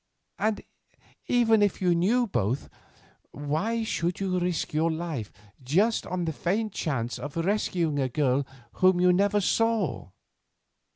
And even if you knew both, why should you risk your life just on the faint chance of rescuing a girl whom you never saw?"